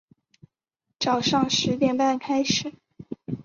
早上十点半开始